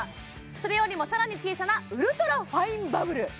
それよりもさらに小さなウルトラファインバブル